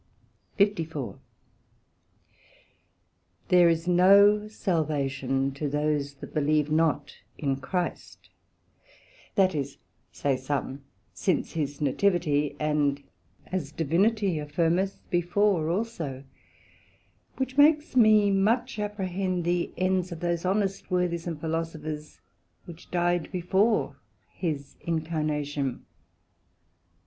SECT.54 There is no Salvation to those that believe not in Christ, that is, say some, since his Nativity, and as Divinity affirmeth, before also; which makes me much apprehend the ends of those honest Worthies and Philosophers which dyed before his Incarnation.